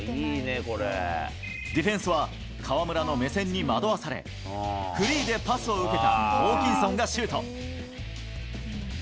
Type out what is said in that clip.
ディフェンスは河村の目線に惑わされ、フリーでパスを受けたホーキンソンがシュート。